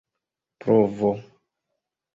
provo